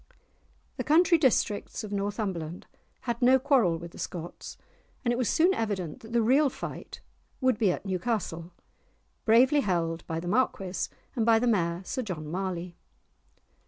The country districts of Northumberland had no quarrel with the Scots, and it was soon evident that the real fight would be at Newcastle, bravely held by the Marquis and by the Mayor, Sir John Marley.